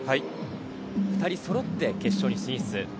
２人そろって決勝に進出。